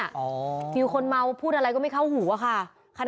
ไอ้ไอ้ไอ้ไอ้ไอ้ไอ้ไอ้